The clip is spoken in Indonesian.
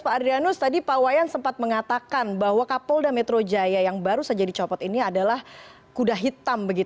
pak adrianus tadi pak wayan sempat mengatakan bahwa kapolda metro jaya yang baru saja dicopot ini adalah kuda hitam